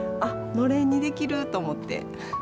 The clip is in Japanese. のれんにできると思って。